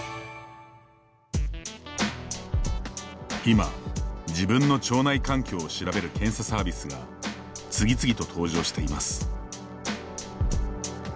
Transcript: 今、自分の腸内環境を調べる検査サービスが次々と登場しています。